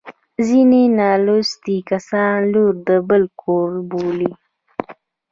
ځیني نالوستي کسان لور د بل د کور بولي